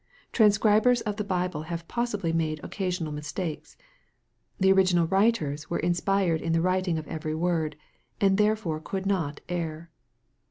Transcibers of the Bible have possibly made occasional mistakes. The original writers were inspired in the writ ing of every word, and therefore could not err.